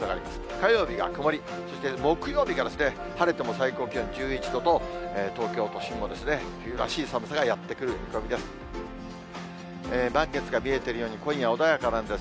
火曜日は曇り、そして木曜日が晴れても最高気温１１度と、東京都心もですね、冬らしい寒さがやって来る見込みです。